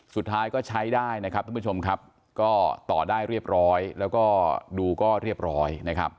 สุดท้ายก็ใช้ได้นะครับท่านผู้ชมครับก็ต่อได้เรียบร้อยแล้วก็ดูก็เรียบร้อยนะครับ